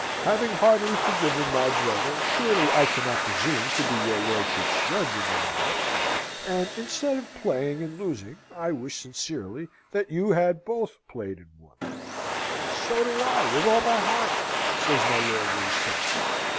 Having heartily forgiven my brother, surely I cannot presume to be your lordship's judge in the matter; and instead of playing and losing, I wish sincerely that you had both played and won!" "So do I, with all my heart!" says my lord with a sigh.